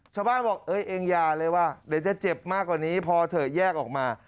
ชาวบ้านบอกเอ้ยเองอย่าเลยว่าเดี๋ยวจะเจ็บมากกว่านี้พอเถอะแยกออกมา